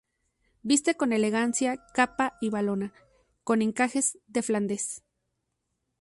Viste con elegancia capa y valona con encajes de Flandes.